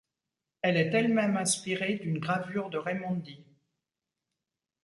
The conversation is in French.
Elle est elle-même inspirée d'une gravure de Raimondi.